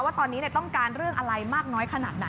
ว่าตอนนี้ต้องการเรื่องอะไรมากน้อยขนาดไหน